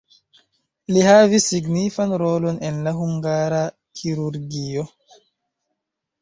Li havis signifan rolon en la hungara kirurgio.